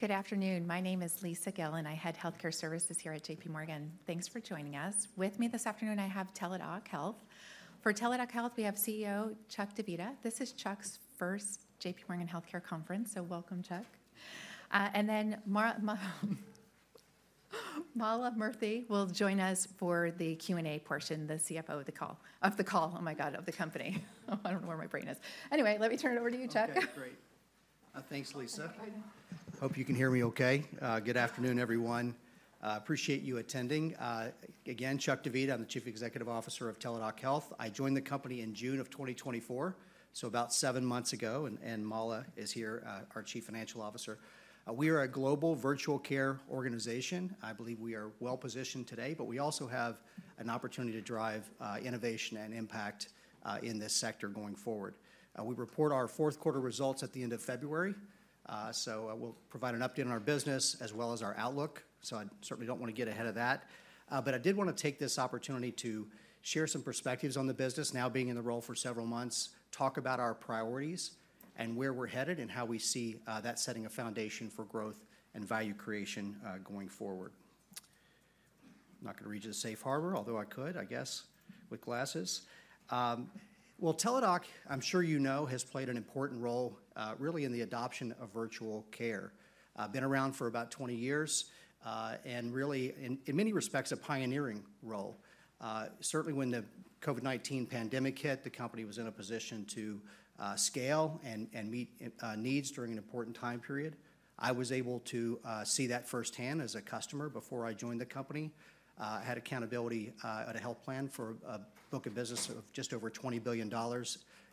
Good afternoon. My name is Lisa Gill, and I head healthcare services here at J.P. Morgan. Thanks for joining us. With me this afternoon, I have Teladoc Health. For Teladoc Health, we have CEO Chuck Divita. This is Chuck's first J.P. Morgan Healthcare conference, so welcome, Chuck. And then Mala Murthy will join us for the Q&A portion, the CFO of the company. Oh my God, I don't know where my brain is. Anyway, let me turn it over to you, Chuck. Great. Thanks, Lisa. Hope you can hear me okay. Good afternoon, everyone. Appreciate you attending. Again, Chuck Divita, I'm the Chief Executive Officer of Teladoc Health. I joined the company in June of 2024, so about seven months ago, and Mala is here, our Chief Financial Officer. We are a global virtual care organization. I believe we are well-positioned today, but we also have an opportunity to drive innovation and impact in this sector going forward. We report our fourth quarter results at the end of February, so we'll provide an update on our business as well as our outlook. So I certainly don't want to get ahead of that. But I did want to take this opportunity to share some perspectives on the business, now being in the role for several months, talk about our priorities and where we're headed and how we see that setting a foundation for growth and value creation going forward. I'm not going to read you the safe harbor, although I could, I guess, with glasses. Well, Teladoc, I'm sure you know, has played an important role really in the adoption of virtual care. Been around for about 20 years and really, in many respects, a pioneering role. Certainly, when the COVID-19 pandemic hit, the company was in a position to scale and meet needs during an important time period. I was able to see that firsthand as a customer before I joined the company. I had accountability at a health plan for a book of business of just over $20 billion,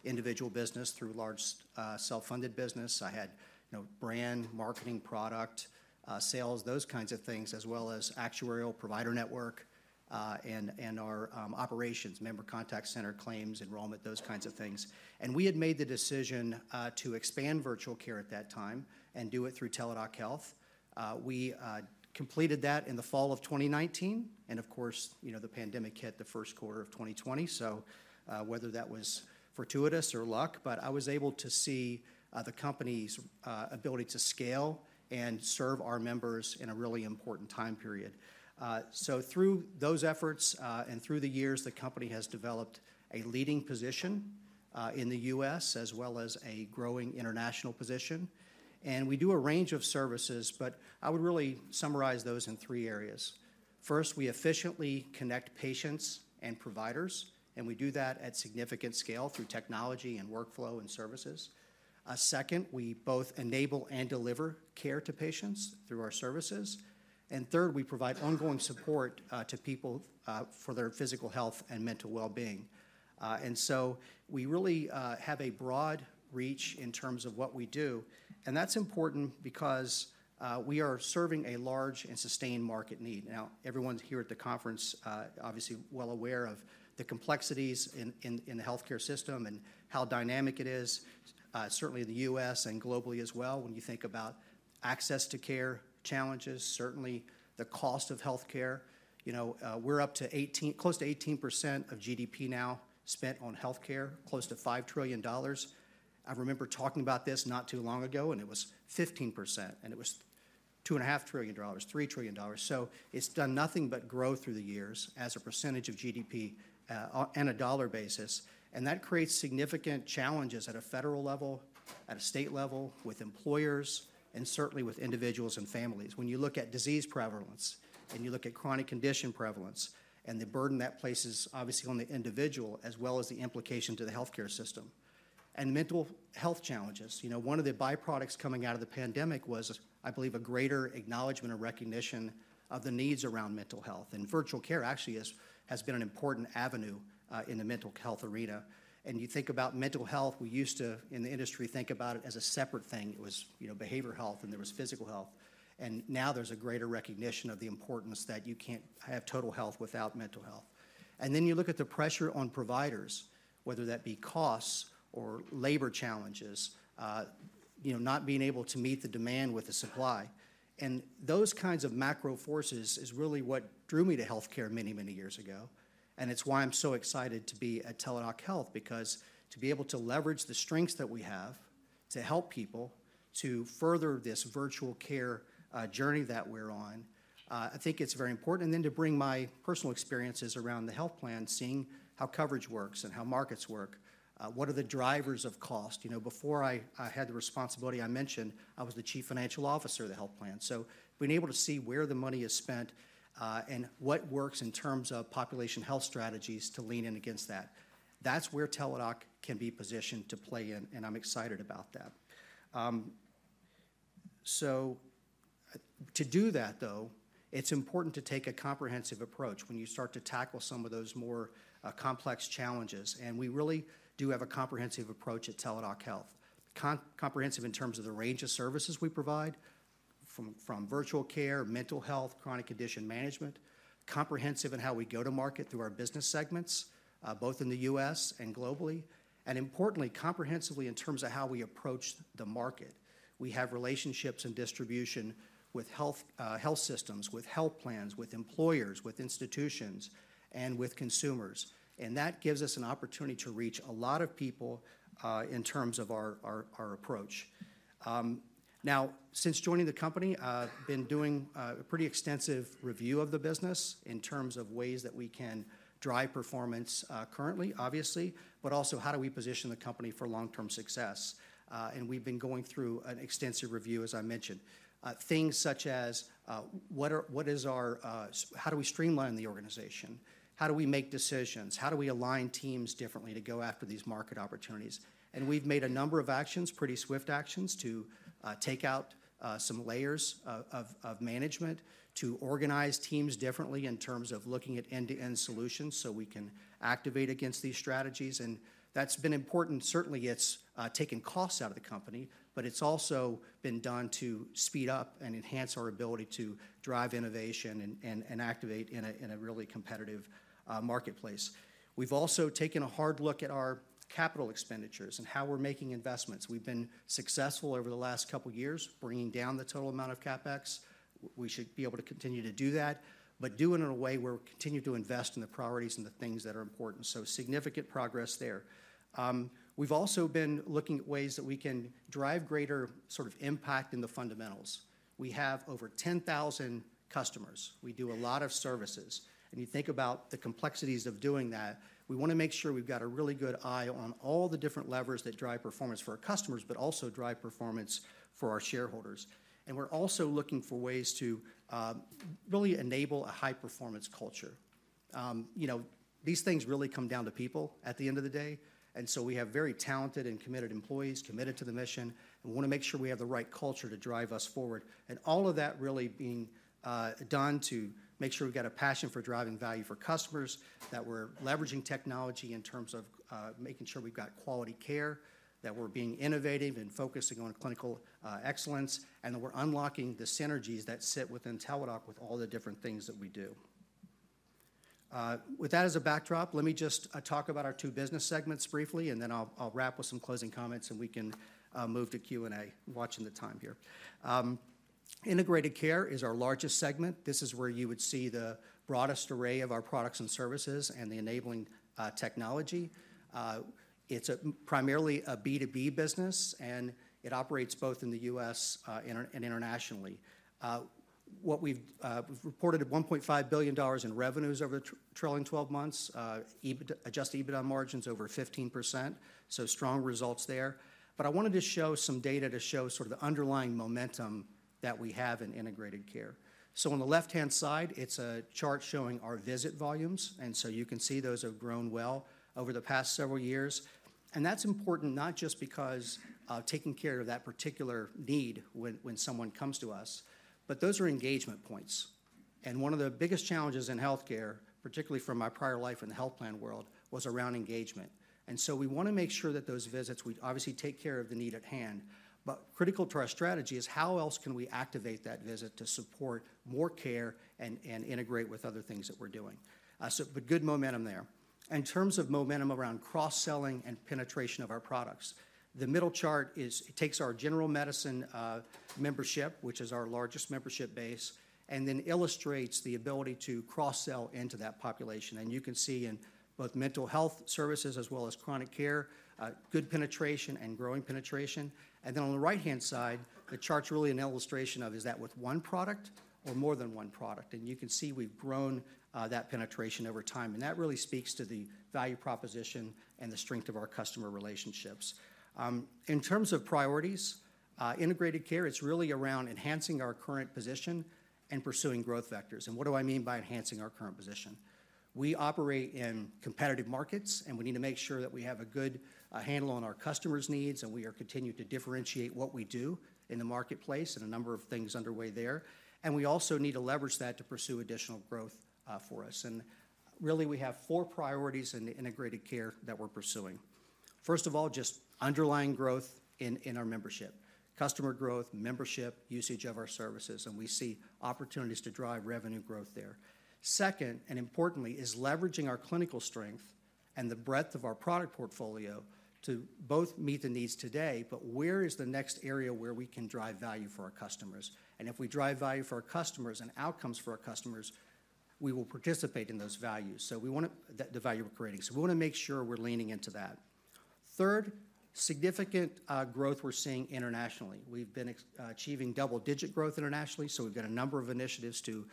individual business through large self-funded business. I had brand, marketing, product, sales, those kinds of things, as well as actuarial provider network and our operations, member contact center, claims, enrollment, those kinds of things. And we had made the decision to expand virtual care at that time and do it through Teladoc Health. We completed that in the fall of 2019. And of course, the pandemic hit the first quarter of 2020, so whether that was fortuitous or luck, but I was able to see the company's ability to scale and serve our members in a really important time period. So through those efforts and through the years, the company has developed a leading position in the U.S. as well as a growing international position. And we do a range of services, but I would really summarize those in three areas. First, we efficiently connect patients and providers, and we do that at significant scale through technology and workflow and services. Second, we both enable and deliver care to patients through our services. And third, we provide ongoing support to people for their physical health and mental well-being. And so we really have a broad reach in terms of what we do. And that's important because we are serving a large and sustained market need. Now, everyone here at the conference, obviously well aware of the complexities in the healthcare system and how dynamic it is, certainly in the U.S. and globally as well. When you think about access to care challenges, certainly the cost of healthcare. We're up to close to 18% of GDP now spent on healthcare, close to $5 trillion. I remember talking about this not too long ago, and it was 15%, and it was $2.5 trillion, $3 trillion, so it's done nothing but grow through the years as a percentage of GDP on a dollar basis, and that creates significant challenges at a federal level, at a state level, with employers, and certainly with individuals and families. When you look at disease prevalence and you look at chronic condition prevalence and the burden that places, obviously, on the individual as well as the implications to the healthcare system, and mental health challenges. One of the byproducts coming out of the pandemic was, I believe, a greater acknowledgment or recognition of the needs around mental health, and virtual care actually has been an important avenue in the mental health arena, and you think about mental health, we used to, in the industry, think about it as a separate thing. It was behavioral health, and there was physical health, and now there's a greater recognition of the importance that you can't have total health without mental health, and then you look at the pressure on providers, whether that be costs or labor challenges, not being able to meet the demand with the supply, and those kinds of macro forces is really what drew me to healthcare many, many years ago, and it's why I'm so excited to be at Teladoc Health, because to be able to leverage the strengths that we have to help people, to further this virtual care journey that we're on, I think it's very important, and then to bring my personal experiences around the health plan, seeing how coverage works and how markets work, what are the drivers of cost. Before I had the responsibility, I mentioned I was the Chief Financial Officer of the health plan. So being able to see where the money is spent and what works in terms of population health strategies to lean in against that, that's where Teladoc can be positioned to play in, and I'm excited about that. So to do that, though, it's important to take a comprehensive approach when you start to tackle some of those more complex challenges. And we really do have a comprehensive approach at Teladoc Health. Comprehensive in terms of the range of services we provide from virtual care, mental health, chronic condition management, comprehensive in how we go to market through our business segments, both in the U.S. and globally. And importantly, comprehensively in terms of how we approach the market. We have relationships and distribution with health systems, with health plans, with employers, with institutions, and with consumers, and that gives us an opportunity to reach a lot of people in terms of our approach. Now, since joining the company, I've been doing a pretty extensive review of the business in terms of ways that we can drive performance currently, obviously, but also how do we position the company for long-term success, and we've been going through an extensive review, as I mentioned. Things such as what is our how do we streamline the organization? How do we make decisions? How do we align teams differently to go after these market opportunities, and we've made a number of actions, pretty swift actions, to take out some layers of management, to organize teams differently in terms of looking at end-to-end solutions so we can activate against these strategies. That's been important. Certainly, it's taken costs out of the company, but it's also been done to speed up and enhance our ability to drive innovation and activate in a really competitive marketplace. We've also taken a hard look at our capital expenditures and how we're making investments. We've been successful over the last couple of years bringing down the total amount of CapEx. We should be able to continue to do that, but do it in a way where we continue to invest in the priorities and the things that are important. Significant progress there. We've also been looking at ways that we can drive greater sort of impact in the fundamentals. We have over 10,000 customers. We do a lot of services. You think about the complexities of doing that. We want to make sure we've got a really good eye on all the different levers that drive performance for our customers, but also drive performance for our shareholders. We're also looking for ways to really enable a high-performance culture. These things really come down to people at the end of the day. We have very talented and committed employees committed to the mission, and we want to make sure we have the right culture to drive us forward. All of that really being done to make sure we've got a passion for driving value for customers, that we're leveraging technology in terms of making sure we've got quality care, that we're being innovative and focusing on clinical excellence, and that we're unlocking the synergies that sit within Teladoc with all the different things that we do. With that as a backdrop, let me just talk about our two business segments briefly, and then I'll wrap with some closing comments, and we can move to Q&A. Watching the time here. Integrated Care is our largest segment. This is where you would see the broadest array of our products and services and the enabling technology. It's primarily a B2B business, and it operates both in the U.S. and internationally. What we've reported is $1.5 billion in revenues over the trailing 12 months, adjusted EBITDA margins over 15%, so strong results there. But I wanted to show some data to show sort of the underlying momentum that we have in Integrated Care. So on the left-hand side, it's a chart showing our visit volumes. And so you can see those have grown well over the past several years. And that's important not just because of taking care of that particular need when someone comes to us, but those are engagement points. And one of the biggest challenges in healthcare, particularly from my prior life in the health plan world, was around engagement. And so we want to make sure that those visits, we obviously take care of the need at hand, but critical to our strategy is how else can we activate that visit to support more care and integrate with other things that we're doing. But good momentum there. In terms of momentum around cross-selling and penetration of our products, the middle chart takes our general medicine membership, which is our largest membership base, and then illustrates the ability to cross-sell into that population. And you can see in both mental health services as well as chronic care, good penetration and growing penetration. And then on the right-hand side, the chart's really an illustration of is that with one product or more than one product. And you can see we've grown that penetration over time. And that really speaks to the value proposition and the strength of our customer relationships. In terms of priorities, Integrated Care, it's really around enhancing our current position and pursuing growth vectors. And what do I mean by enhancing our current position? We operate in competitive markets, and we need to make sure that we have a good handle on our customers' needs, and we are continuing to differentiate what we do in the marketplace and a number of things underway there. And we also need to leverage that to pursue additional growth for us. And really, we have four priorities in the Integrated Care that we're pursuing. First of all, just underlying growth in our membership, customer growth, membership, usage of our services, and we see opportunities to drive revenue growth there. Second, and importantly, is leveraging our clinical strength and the breadth of our product portfolio to both meet the needs today, but where is the next area where we can drive value for our customers? And if we drive value for our customers and outcomes for our customers, we will participate in those values. So we want to the value we're creating. So we want to make sure we're leaning into that. Third, significant growth we're seeing internationally. We've been achieving double-digit growth internationally. So we've got a number of initiatives to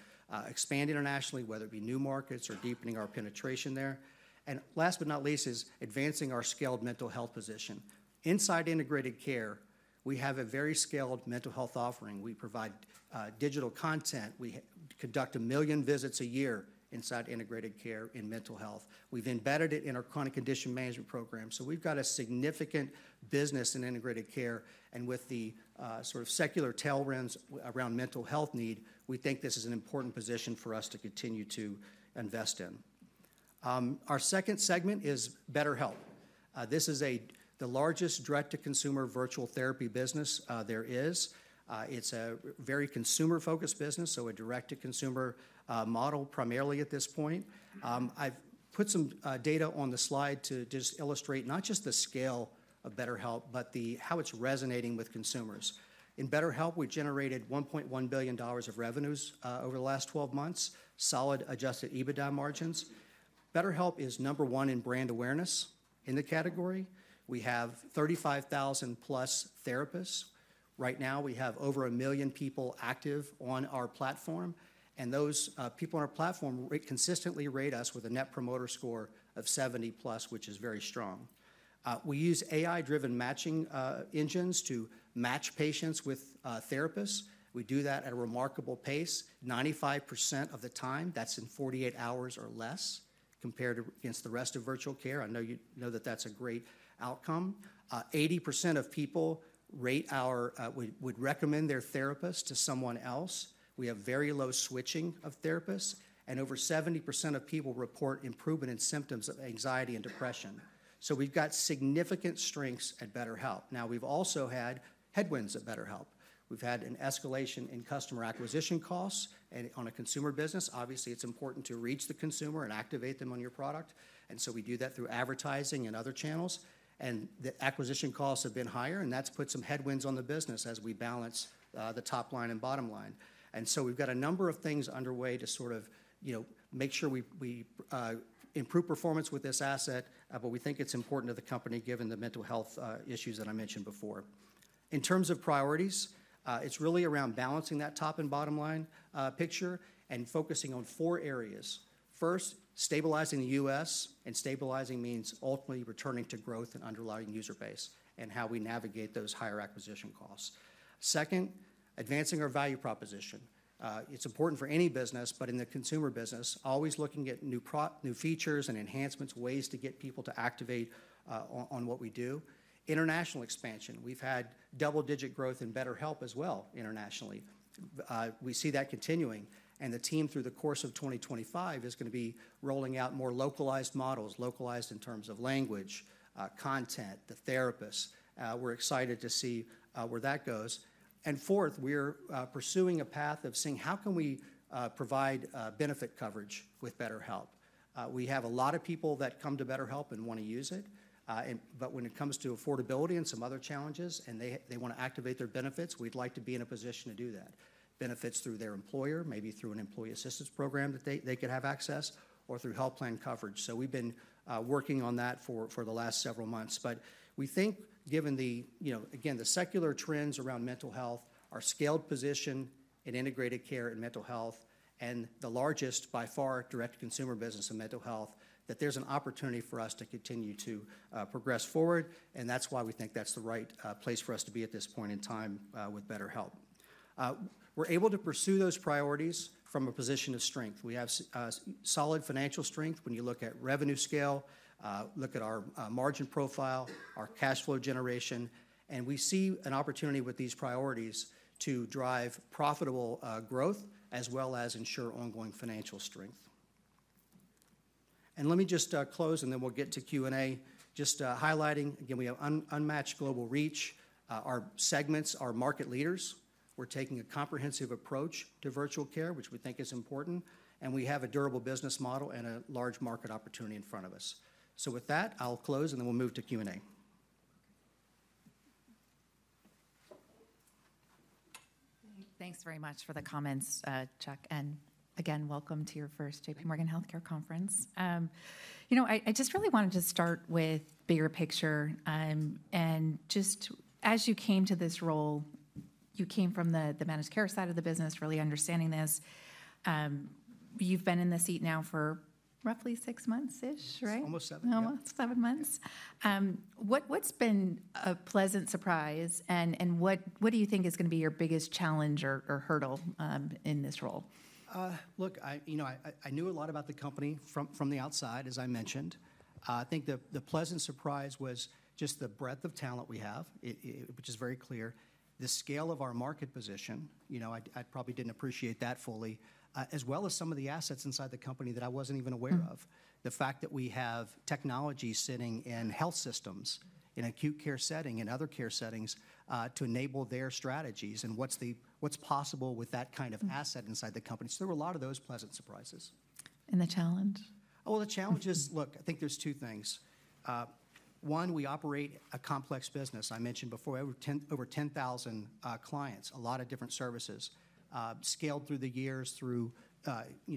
expand internationally, whether it be new markets or deepening our penetration there. And last but not least, is advancing our scaled mental health position. Inside Integrated Care, we have a very scaled mental health offering. We provide digital content. We conduct a million visits a year inside Integrated Care in mental health. We've embedded it in our chronic condition management program, so we've got a significant business in Integrated Care, and with the sort of secular tailwinds around mental health need, we think this is an important position for us to continue to invest in. Our second segment is BetterHelp. This is the largest direct-to-consumer virtual therapy business there is. It's a very consumer-focused business, so a direct-to-consumer model primarily at this point. I've put some data on the slide to just illustrate not just the scale of BetterHelp, but how it's resonating with consumers. In BetterHelp, we generated $1.1 billion of revenues over the last 12 months, solid adjusted EBITDA margins. BetterHelp is number one in brand awareness in the category. We have 35,000 plus therapists. Right now, we have over a million people active on our platform. Those people on our platform consistently rate us with a Net Promoter Score of 70 plus, which is very strong. We use AI-driven matching engines to match patients with therapists. We do that at a remarkable pace. 95% of the time, that's in 48 hours or less compared against the rest of virtual care. I know you know that that's a great outcome. 80% of people would recommend their therapist to someone else. We have very low switching of therapists. Over 70% of people report improvement in symptoms of anxiety and depression. We've got significant strengths at BetterHelp. Now, we've also had headwinds at BetterHelp. We've had an escalation in customer acquisition costs. On a consumer business, obviously, it's important to reach the consumer and activate them on your product. So we do that through advertising and other channels. The acquisition costs have been higher, and that's put some headwinds on the business as we balance the top line and bottom line. So we've got a number of things underway to sort of make sure we improve performance with this asset, but we think it's important to the company given the mental health issues that I mentioned before. In terms of priorities, it's really around balancing that top and bottom line picture and focusing on four areas. First, stabilizing the U.S. and stabilizing means ultimately returning to growth and underlying user base and how we navigate those higher acquisition costs. Second, advancing our value proposition. It's important for any business, but in the consumer business, always looking at new features and enhancements, ways to get people to activate on what we do. International expansion. We've had double-digit growth in BetterHelp as well internationally. We see that continuing, and the team, through the course of 2025, is going to be rolling out more localized models, localized in terms of language, content, the therapists. We're excited to see where that goes, and fourth, we're pursuing a path of seeing how can we provide benefit coverage with BetterHelp. We have a lot of people that come to BetterHelp and want to use it, but when it comes to affordability and some other challenges, and they want to activate their benefits, we'd like to be in a position to do that. Benefits through their employer, maybe through an employee assistance program that they could have access, or through health plan coverage. So we've been working on that for the last several months. But we think, given the, again, the secular trends around mental health, our scaled position in Integrated Care and mental health, and the largest, by far, direct-to-consumer business in mental health, that there's an opportunity for us to continue to progress forward. And that's why we think that's the right place for us to be at this point in time with BetterHelp. We're able to pursue those priorities from a position of strength. We have solid financial strength when you look at revenue scale, look at our margin profile, our cash flow generation. And we see an opportunity with these priorities to drive profitable growth as well as ensure ongoing financial strength. And let me just close, and then we'll get to Q&A, just highlighting. Again, we have unmatched global reach. Our segments are market leaders. We're taking a comprehensive approach to virtual care, which we think is important. And we have a durable business model and a large market opportunity in front of us. So with that, I'll close, and then we'll move to Q&A. Thanks very much for the comments, Chuck. And again, welcome to your first J.P. Morgan Healthcare Conference. You know, I just really wanted to start with bigger picture. And just as you came to this role, you came from the managed care side of the business, really understanding this. You've been in this seat now for roughly six months-ish, right? Almost seven months. Almost seven months. What's been a pleasant surprise, and what do you think is going to be your biggest challenge or hurdle in this role? Look, I knew a lot about the company from the outside, as I mentioned. I think the pleasant surprise was just the breadth of talent we have, which is very clear. The scale of our market position, you know, I probably didn't appreciate that fully, as well as some of the assets inside the company that I wasn't even aware of. The fact that we have technology sitting in health systems, in acute care setting, in other care settings to enable their strategies and what's possible with that kind of asset inside the company. So there were a lot of those pleasant surprises. And the challenge? Well, the challenge is, look, I think there's two things. One, we operate a complex business. I mentioned before, over 10,000 clients, a lot of different services, scaled through the years through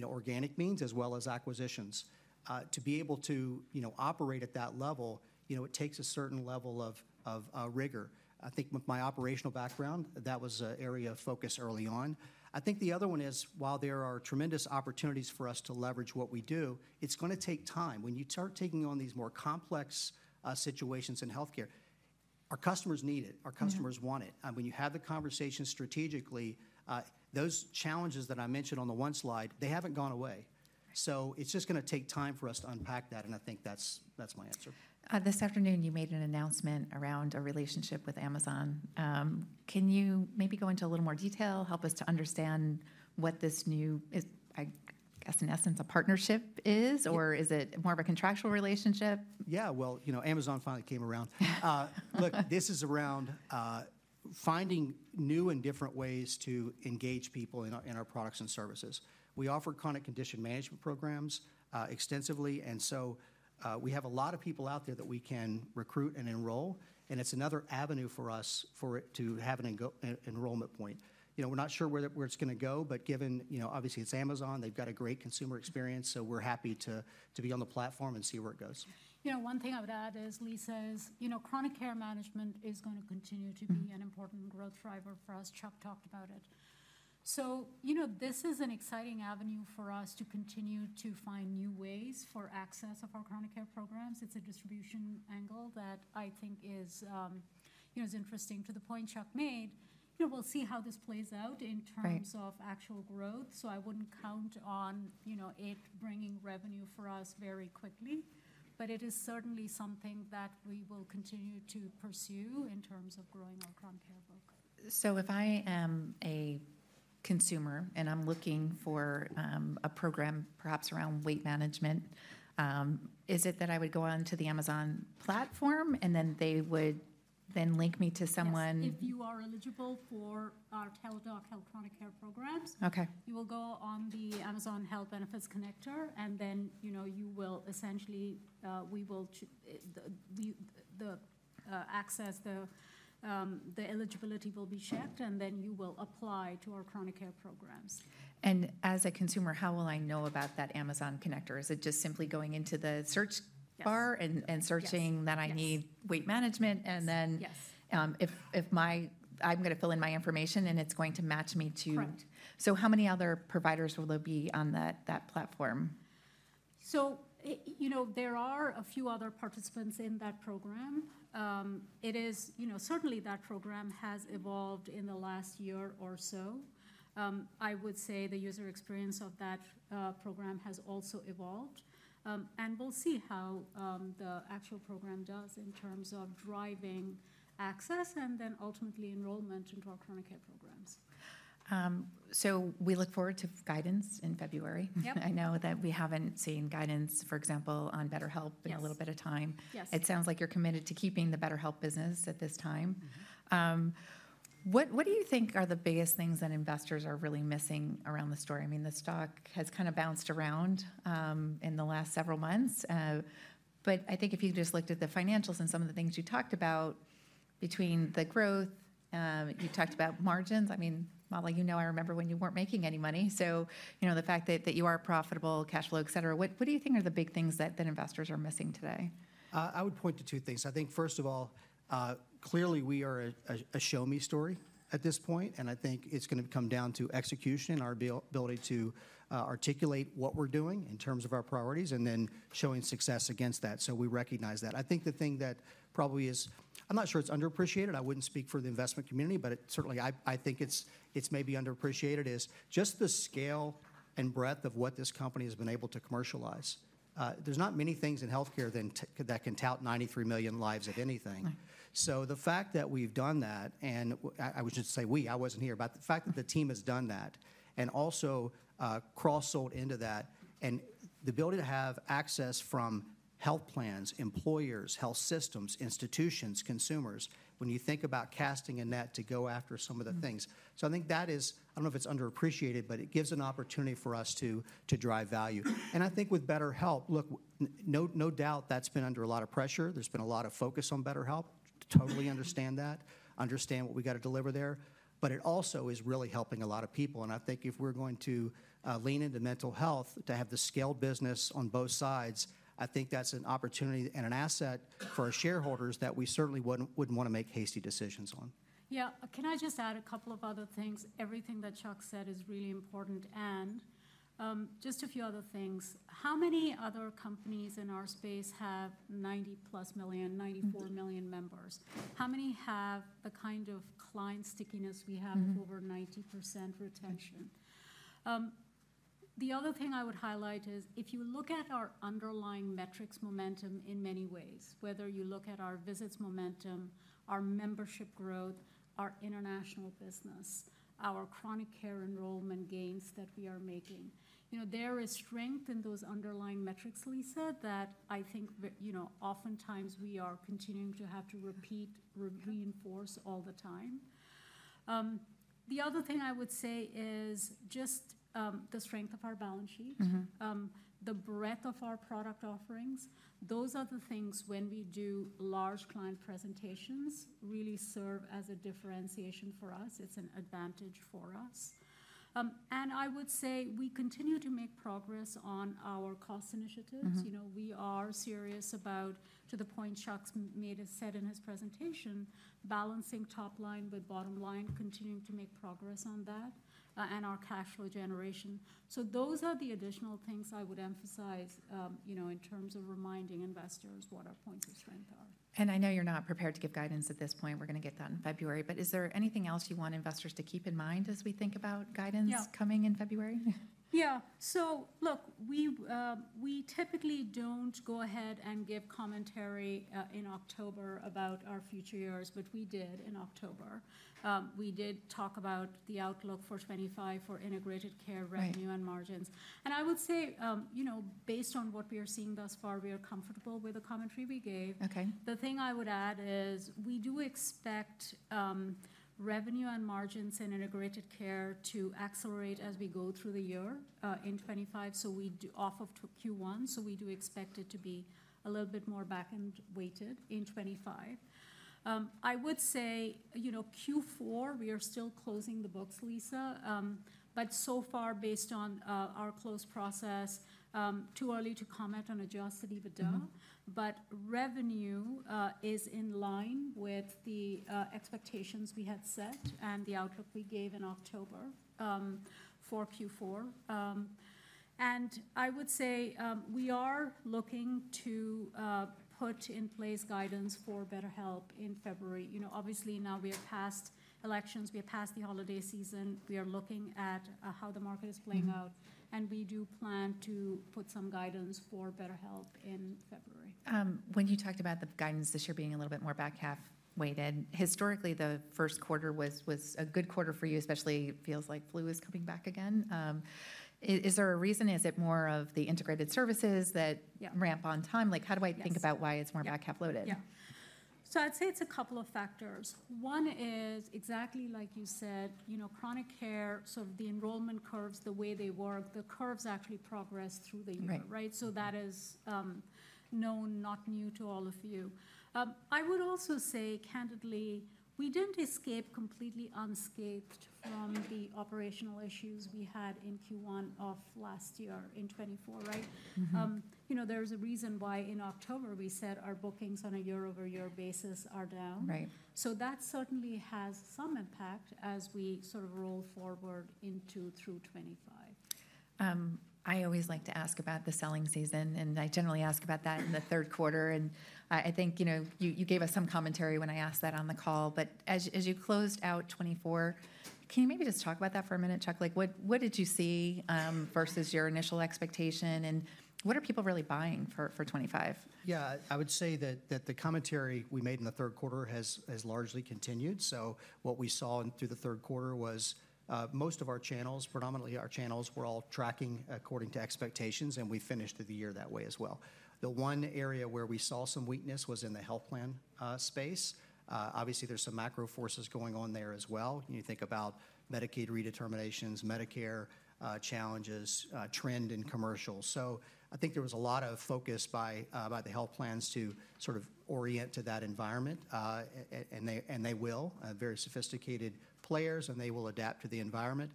organic means as well as acquisitions. To be able to operate at that level, it takes a certain level of rigor. I think with my operational background, that was an area of focus early on. I think the other one is, while there are tremendous opportunities for us to leverage what we do, it's going to take time. When you start taking on these more complex situations in healthcare, our customers need it. Our customers want it. And when you have the conversation strategically, those challenges that I mentioned on the one slide, they haven't gone away. So it's just going to take time for us to unpack that. And I think that's my answer. This afternoon, you made an announcement around a relationship with Amazon. Can you maybe go into a little more detail, help us to understand what this new, I guess, in essence, a partnership is, or is it more of a contractual relationship? Yeah, well, you know, Amazon finally came around. Look, this is around finding new and different ways to engage people in our products and services. We offer chronic condition management programs extensively. And so we have a lot of people out there that we can recruit and enroll. And it's another avenue for us for it to have an enrollment point. You know, we're not sure where it's going to go, but given, you know, obviously, it's Amazon, they've got a great consumer experience. So we're happy to be on the platform and see where it goes. You know, one thing I would add is Lisa is, you know, chronic care management is going to continue to be an important growth driver for us. Chuck talked about it. So, you know, this is an exciting avenue for us to continue to find new ways for access of our chronic care programs. It's a distribution angle that I think is, you know, is interesting to the point Chuck made. You know, we'll see how this plays out in terms of actual growth. So I wouldn't count on, you know, it bringing revenue for us very quickly. But it is certainly something that we will continue to pursue in terms of growing our chronic care book. If I am a consumer and I'm looking for a program, perhaps around weight management, is it that I would go on to the Amazon platform and then they would then link me to someone? If you are eligible for our Teladoc Health Chronic Care programs, you will go on the Amazon Health Benefits Connector. And then, you know, you will essentially, we will access the eligibility will be checked, and then you will apply to our chronic care programs. And as a consumer, how will I know about that Amazon connector? Is it just simply going into the search bar and searching that I need weight management? And then if I'm going to fill in my information and it's going to match me to. So how many other providers will there be on that platform? So, you know, there are a few other participants in that program. It is, you know, certainly that program has evolved in the last year or so. I would say the user experience of that program has also evolved, and we'll see how the actual program does in terms of driving access and then ultimately enrollment into our chronic care programs. So we look forward to guidance in February. I know that we haven't seen guidance, for example, on BetterHelp in a little bit of time. It sounds like you're committed to keeping the BetterHelp business at this time. What do you think are the biggest things that investors are really missing around the story? I mean, the stock has kind of bounced around in the last several months, but I think if you just looked at the financials and some of the things you talked about between the growth, you talked about margins. I mean, Mala, you know, I remember when you weren't making any money. So, you know, the fact that you are profitable, cash flow, et cetera, what do you think are the big things that investors are missing today? I would point to two things. I think, first of all, clearly we are a show-me story at this point. And I think it's going to come down to execution and our ability to articulate what we're doing in terms of our priorities and then showing success against that. So we recognize that. I think the thing that probably is, I'm not sure it's underappreciated. I wouldn't speak for the investment community, but it certainly, I think it's maybe underappreciated, is just the scale and breadth of what this company has been able to commercialize. There's not many things in healthcare that can tout 93 million lives, if anything. So the fact that we've done that, and I would just say we, I wasn't here, but the fact that the team has done that and also cross-sold into that and the ability to have access from health plans, employers, health systems, institutions, consumers, when you think about casting a net to go after some of the things. So I think that is, I don't know if it's underappreciated, but it gives an opportunity for us to drive value. And I think with BetterHelp, look, no doubt that's been under a lot of pressure. There's been a lot of focus on BetterHelp. Totally understand that. Understand what we got to deliver there. But it also is really helping a lot of people. And I think if we're going to lean into mental health to have the scaled business on both sides, I think that's an opportunity and an asset for our shareholders that we certainly wouldn't want to make hasty decisions on. Yeah. Can I just add a couple of other things? Everything that Chuck said is really important. And just a few other things. How many other companies in our space have 90 plus million, 94 million members? How many have the kind of client stickiness we have over 90% retention? The other thing I would highlight is if you look at our underlying metrics momentum in many ways, whether you look at our visits momentum, our membership growth, our international business, our chronic care enrollment gains that we are making, you know, there is strength in those underlying metrics, Lisa, that I think, you know, oftentimes we are continuing to have to repeat, reinforce all the time. The other thing I would say is just the strength of our balance sheet, the breadth of our product offerings. Those are the things when we do large client presentations really serve as a differentiation for us. It's an advantage for us. And I would say we continue to make progress on our cost initiatives. You know, we are serious about, to the point Chuck made and said in his presentation, balancing top line with bottom line, continuing to make progress on that and our cash flow generation. So those are the additional things I would emphasize, you know, in terms of reminding investors what our points of strength are. And I know you're not prepared to give guidance at this point. We're going to get that in February. But is there anything else you want investors to keep in mind as we think about guidance coming in February? Yeah. So, look, we typically don't go ahead and give commentary in October about our future years, but we did in October. We did talk about the outlook for 2025 for Integrated Care revenue and margins. I would say, you know, based on what we are seeing thus far, we are comfortable with the commentary we gave. The thing I would add is we do expect revenue and margins in Integrated Care to accelerate as we go through the year in 2025. We do off of Q1, so we do expect it to be a little bit more back and weighted in 2025. I would say, you know, Q4, we are still closing the books, Lisa. So far, based on our close process, too early to comment on adjusted EBITDA. Revenue is in line with the expectations we had set and the outlook we gave in October for Q4. I would say we are looking to put in place guidance for BetterHelp in February. You know, obviously now we have passed elections, we have passed the holiday season, we are looking at how the market is playing out, and we do plan to put some guidance for BetterHelp in February. When you talked about the guidance this year being a little bit more back half weighted, historically the first quarter was a good quarter for you, especially it feels like flu is coming back again. Is there a reason? Is it more of the integrated services that ramp on time? Like, how do I think about why it's more back half loaded? Yeah. So I'd say it's a couple of factors. One is exactly like you said, you know, chronic care, sort of the enrollment curves, the way they work, the curves actually progress through the year, right? So that is known, not new to all of you. I would also say candidly, we didn't escape completely unscathed from the operational issues we had in Q1 of last year in 2024, right? You know, there's a reason why in October we said our bookings on a year-over-year basis are down. So that certainly has some impact as we sort of roll forward into through 2025. I always like to ask about the selling season, and I generally ask about that in the third quarter. And I think, you know, you gave us some commentary when I asked that on the call, but as you closed out 2024, can you maybe just talk about that for a minute, Chuck? Like, what did you see versus your initial expectation, and what are people really buying for 2025? Yeah, I would say that the commentary we made in the third quarter has largely continued. So what we saw through the third quarter was most of our channels, predominantly our channels, were all tracking according to expectations, and we finished the year that way as well. The one area where we saw some weakness was in the health plan space. Obviously, there's some macro forces going on there as well. You think about Medicaid redeterminations, Medicare challenges, trend in commercials. So I think there was a lot of focus by the health plans to sort of orient to that environment, and they will, very sophisticated players, and they will adapt to the environment.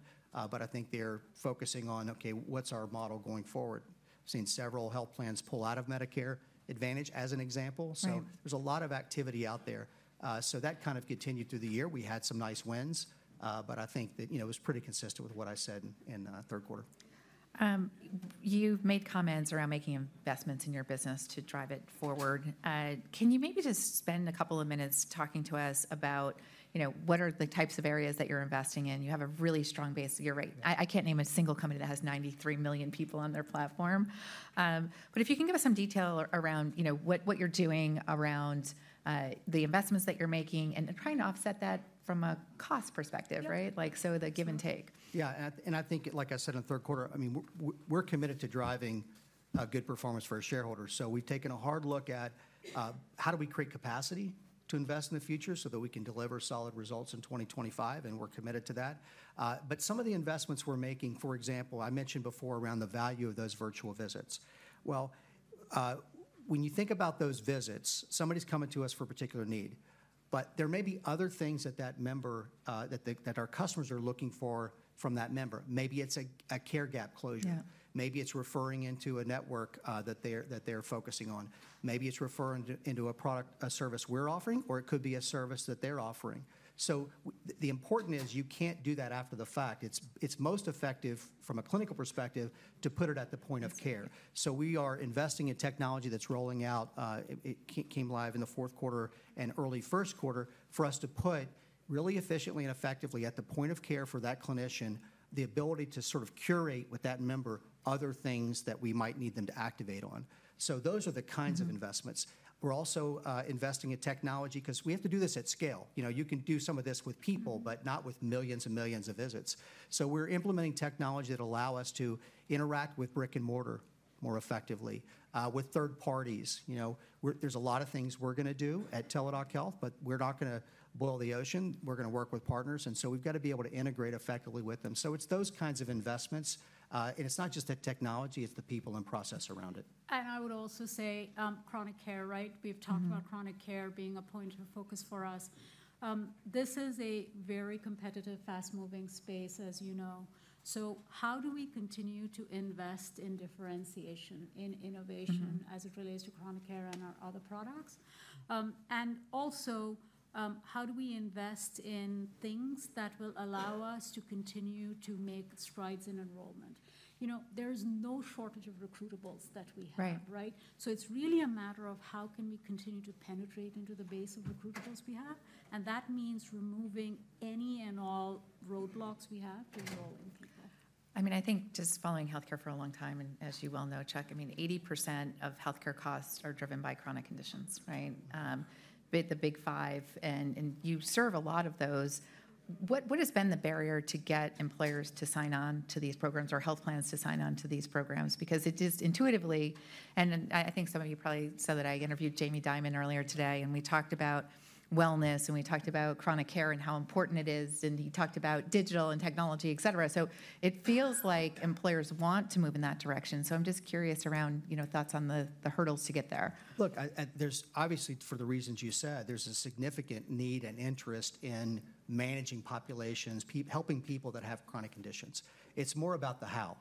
But I think they're focusing on, okay, what's our model going forward? I've seen several health plans pull out of Medicare Advantage as an example. So there's a lot of activity out there. So that kind of continued through the year. We had some nice wins, but I think that, you know, it was pretty consistent with what I said in the third quarter. You've made comments around making investments in your business to drive it forward. Can you maybe just spend a couple of minutes talking to us about, you know, what are the types of areas that you're investing in? You have a really strong base year, right? I can't name a single company that has 93 million people on their platform. But if you can give us some detail around, you know, what you're doing around the investments that you're making and trying to offset that from a cost perspective, right? Like, so the give and take. Yeah. And I think, like I said, in the third quarter, I mean, we're committed to driving good performance for our shareholders. So we've taken a hard look at how do we create capacity to invest in the future so that we can deliver solid results in 2025, and we're committed to that. But some of the investments we're making, for example, I mentioned before around the value of those virtual visits. Well, when you think about those visits, somebody's coming to us for a particular need, but there may be other things that that member, that our customers are looking for from that member. Maybe it's a care gap closure. Maybe it's referring into a network that they're focusing on. Maybe it's referring into a product, a service we're offering, or it could be a service that they're offering. So the important is you can't do that after the fact. It's most effective from a clinical perspective to put it at the point of care. So we are investing in technology that's rolling out. It came live in the fourth quarter and early first quarter for us to put really efficiently and effectively at the point of care for that clinician, the ability to sort of curate with that member other things that we might need them to activate on. So those are the kinds of investments. We're also investing in technology because we have to do this at scale. You know, you can do some of this with people, but not with millions and millions of visits. So we're implementing technology that allows us to interact with brick and mortar more effectively with third parties. You know, there's a lot of things we're going to do at Teladoc Health, but we're not going to boil the ocean. We're going to work with partners. And so we've got to be able to integrate effectively with them. So it's those kinds of investments. And it's not just the technology, it's the people and process around it. And I would also say chronic care, right? We've talked about chronic care being a point of focus for us. This is a very competitive, fast-moving space, as you know. So how do we continue to invest in differentiation, in innovation as it relates to chronic care and our other products? And also, how do we invest in things that will allow us to continue to make strides in enrollment? You know, there's no shortage of recruitables that we have, right? So it's really a matter of how can we continue to penetrate into the base of recruitables we have. And that means removing any and all roadblocks we have to enroll in people. I mean, I think just following healthcare for a long time, and as you well know, Chuck, I mean, 80% of healthcare costs are driven by chronic conditions, right? The big five, and you serve a lot of those. What has been the barrier to get employers to sign on to these programs or health plans to sign on to these programs? Because it just intuitively, and I think some of you probably saw that I interviewed Jamie Dimon earlier today, and we talked about wellness, and we talked about chronic care and how important it is, and he talked about digital and technology, et cetera. So it feels like employers want to move in that direction. So I'm just curious around, you know, thoughts on the hurdles to get there. Look, there's obviously, for the reasons you said, there's a significant need and interest in managing populations, helping people that have chronic conditions. It's more about the how.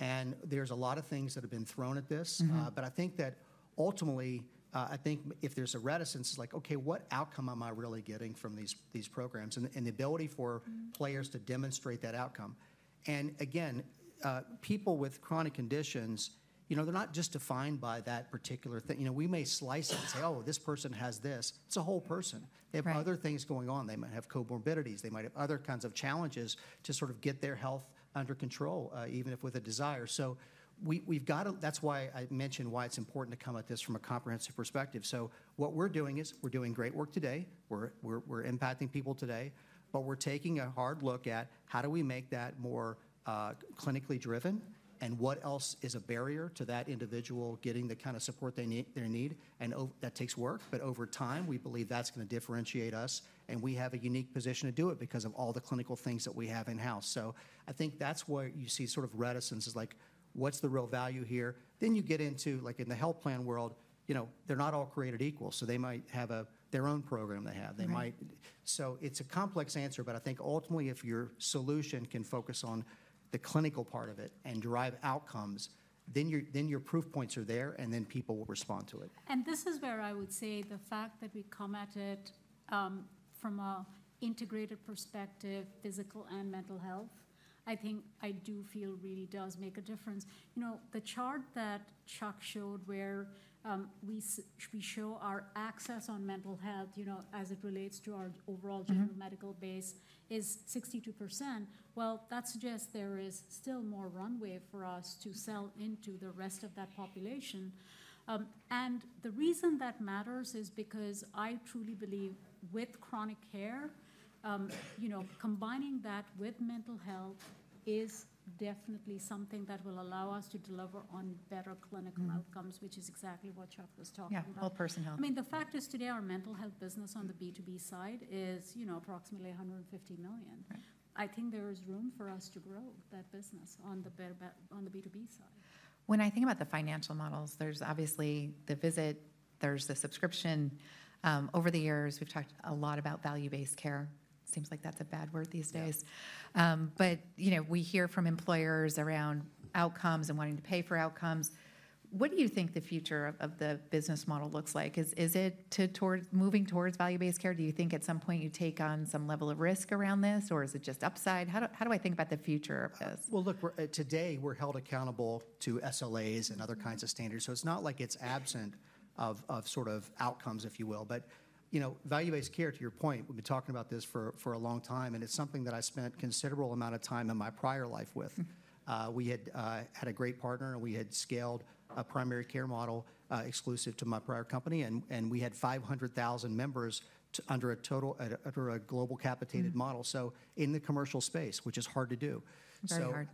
And there's a lot of things that have been thrown at this. But I think that ultimately, I think if there's a reticence, it's like, okay, what outcome am I really getting from these programs and the ability for players to demonstrate that outcome? And again, people with chronic conditions, you know, they're not just defined by that particular thing. You know, we may slice it and say, oh, this person has this. It's a whole person. They have other things going on. They might have comorbidities. They might have other kinds of challenges to sort of get their health under control, even if with a desire. So we've got to. That's why I mentioned why it's important to come at this from a comprehensive perspective. So what we're doing is we're doing great work today. We're impacting people today, but we're taking a hard look at how do we make that more clinically driven and what else is a barrier to that individual getting the kind of support they need. And that takes work, but over time, we believe that's going to differentiate us. And we have a unique position to do it because of all the clinical things that we have in-house. So I think that's where you see sort of reticence is like, what's the real value here? Then you get into, like in the health plan world, you know, they're not all created equal. So they might have their own program they have. They might. So it's a complex answer, but I think ultimately if your solution can focus on the clinical part of it and derive outcomes, then your proof points are there and then people will respond to it. And this is where I would say the fact that we come at it from an integrated perspective, physical and mental health, I think I do feel really does make a difference. You know, the chart that Chuck showed where we show our access on mental health, you know, as it relates to our overall general medical base is 62%. Well, that suggests there is still more runway for us to sell into the rest of that population. And the reason that matters is because I truly believe with chronic care, you know, combining that with mental health is definitely something that will allow us to deliver on better clinical outcomes, which is exactly what Chuck was talking about. Yeah, whole person health. I mean, the fact is today our mental health business on the B2B side is, you know, approximately $150 million. I think there is room for us to grow that business on the B2B side. When I think about the financial models, there's obviously the visit, there's the subscription. Over the years, we've talked a lot about value-based care. Seems like that's a bad word these days. But, you know, we hear from employers around outcomes and wanting to pay for outcomes. What do you think the future of the business model looks like? Is it moving towards value-based care? Do you think at some point you take on some level of risk around this, or is it just upside? How do I think about the future of this? Well, look, today we're held accountable to SLAs and other kinds of standards. So it's not like it's absent of sort of outcomes, if you will. But, you know, value-based care, to your point, we've been talking about this for a long time, and it's something that I spent a considerable amount of time in my prior life with. We had a great partner, and we had scaled a primary care model exclusive to my prior company, and we had 500,000 members under a global capitated model. So in the commercial space, which is hard to do. So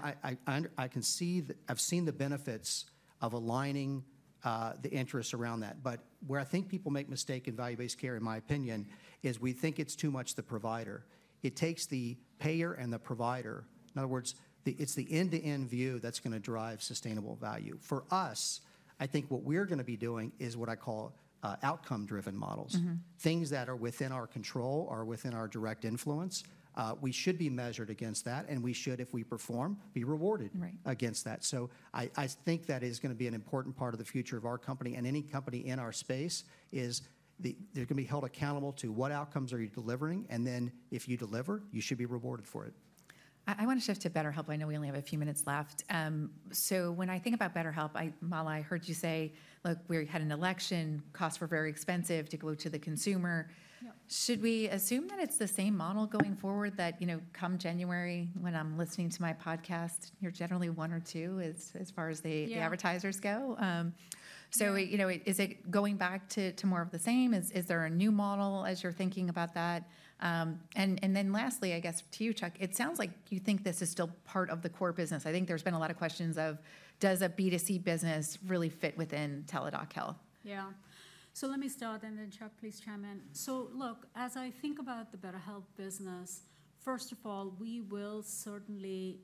I can see that I've seen the benefits of aligning the interests around that. But where I think people make mistake in value-based care, in my opinion, is we think it's too much the provider. It takes the payer and the provider. In other words, it's the end-to-end view that's going to drive sustainable value. For us, I think what we're going to be doing is what I call outcome-driven models. Things that are within our control are within our direct influence. We should be measured against that, and we should, if we perform, be rewarded against that. So I think that is going to be an important part of the future of our company, and any company in our space is they're going to be held accountable to what outcomes are you delivering, and then if you deliver, you should be rewarded for it. I want to shift to BetterHelp. I know we only have a few minutes left. So when I think about BetterHelp, Mala, I heard you say, look, we had an election, costs were very expensive to go to the consumer. Should we assume that it's the same model going forward that, you know, come January, when I'm listening to my podcast, you're generally one or two as far as the advertisers go? So, you know, is it going back to more of the same? Is there a new model as you're thinking about that? And then lastly, I guess to you, Chuck, it sounds like you think this is still part of the core business. I think there's been a lot of questions of, does a B2C business really fit within Teladoc Health? Yeah. So let me start, and then Chuck, please chime in. So look, as I think about the BetterHelp business, first of all, we will certainly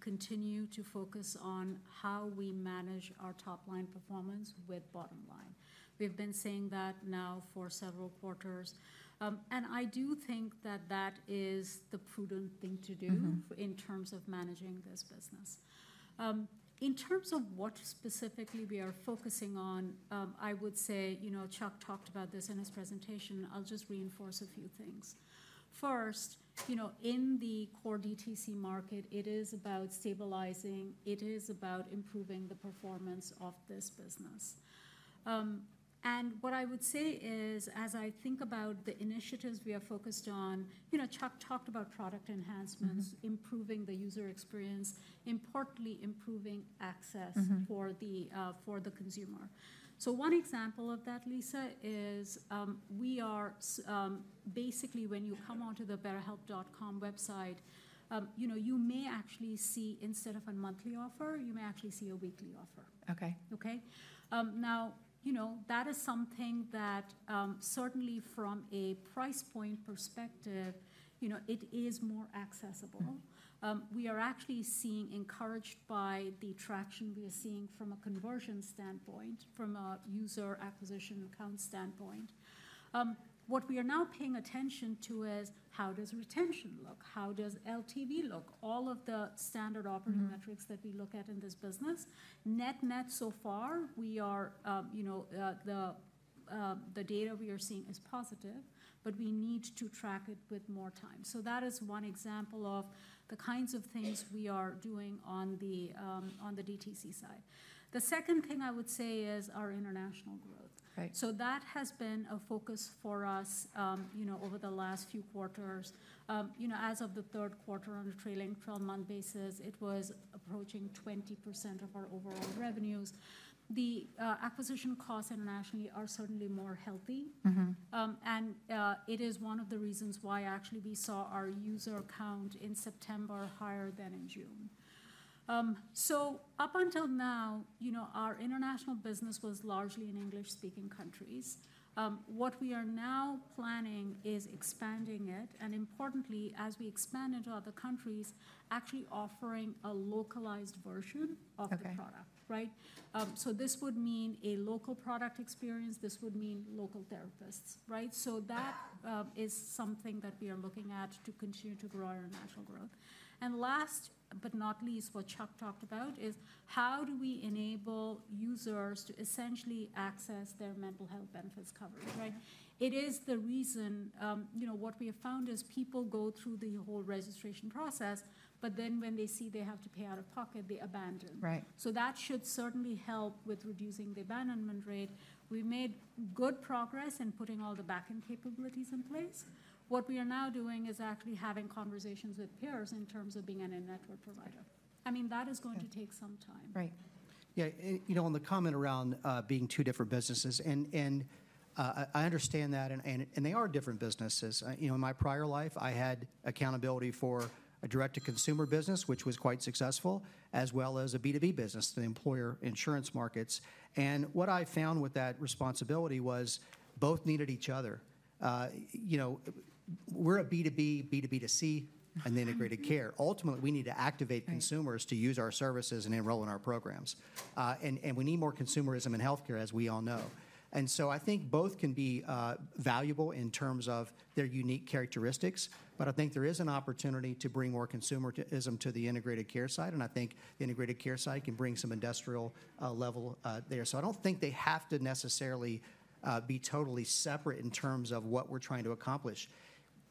continue to focus on how we manage our top-line performance with bottom line. We've been saying that now for several quarters. And I do think that that is the prudent thing to do in terms of managing this business. In terms of what specifically we are focusing on, I would say, you know, Chuck talked about this in his presentation. I'll just reinforce a few things. First, you know, in the core DTC market, it is about stabilizing. It is about improving the performance of this business. And what I would say is, as I think about the initiatives we are focused on, you know, Chuck talked about product enhancements, improving the user experience, importantly improving access for the consumer. So one example of that, Lisa, is we are basically, when you come onto the BetterHelp.com website, you know, you may actually see instead of a monthly offer, you may actually see a weekly offer. Okay. Okay? Now, you know, that is something that certainly from a price point perspective, you know, it is more accessible. We are actually seeing, encouraged by the traction we are seeing from a conversion standpoint, from a user acquisition account standpoint. What we are now paying attention to is how does retention look? How does LTV look? All of the standard operating metrics that we look at in this business, net-net so far, we are, you know, the data we are seeing is positive, but we need to track it with more time. So that is one example of the kinds of things we are doing on the DTC side. The second thing I would say is our international growth. So that has been a focus for us, you know, over the last few quarters. You know, as of the third quarter, on a trailing 12-month basis, it was approaching 20% of our overall revenues. The acquisition costs internationally are certainly more healthy. And it is one of the reasons why actually we saw our user count in September higher than in June. So up until now, you know, our international business was largely in English-speaking countries. What we are now planning is expanding it. And importantly, as we expand into other countries, actually offering a localized version of the product, right? So this would mean a local product experience. This would mean local therapists, right? So that is something that we are looking at to continue to grow our national growth. Last but not least, what Chuck talked about is how do we enable users to essentially access their mental health benefits coverage, right? It is the reason, you know, what we have found is people go through the whole registration process, but then when they see they have to pay out of pocket, they abandon. So that should certainly help with reducing the abandonment rate. We made good progress in putting all the backend capabilities in place. What we are now doing is actually having conversations with payers in terms of being an in-network provider. I mean, that is going to take some time. Right. Yeah. You know, on the comment around being two different businesses, and I understand that, and they are different businesses. You know, in my prior life, I had accountability for a direct-to-consumer business, which was quite successful, as well as a B2B business, the employer insurance markets. And what I found with that responsibility was both needed each other. You know, we're a B2B, B2B to C, and the Integrated Care. Ultimately, we need to activate consumers to use our services and enroll in our programs. And we need more consumerism in healthcare, as we all know. And so I think both can be valuable in terms of their unique characteristics, but I think there is an opportunity to bring more consumerism to the Integrated Care side. And I think the Integrated Care side can bring some industrial level there. So I don't think they have to necessarily be totally separate in terms of what we're trying to accomplish.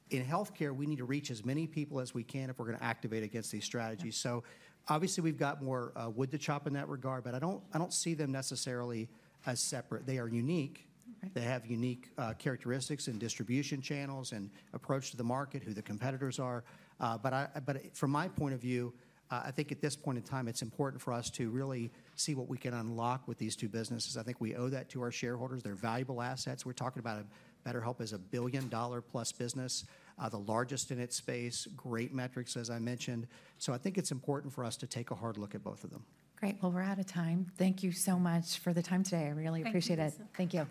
In healthcare, we need to reach as many people as we can if we're going to activate against these strategies. So obviously, we've got more wood to chop in that regard, but I don't see them necessarily as separate. They are unique. They have unique characteristics and distribution channels and approach to the market, who the competitors are. But from my point of view, I think at this point in time, it's important for us to really see what we can unlock with these two businesses. I think we owe that to our shareholders. They're valuable assets. We're talking about a BetterHelp is a $1 billion-plus business, the largest in its space, great metrics, as I mentioned. So I think it's important for us to take a hard look at both of them. Great. Well, we're out of time. Thank you so much for the time today. I really appreciate it. Thank you.